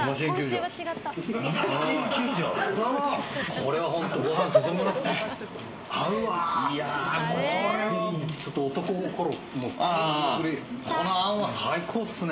これは本当ご飯進みますね。